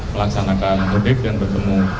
melaksanakan mudik dan bertemu